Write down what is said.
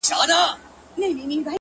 صحرائی شنۀ شو او بیا تور شو هسې